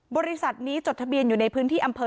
บริษัทนี้จดทะเบียนอยู่ในพื้นที่อำเภอ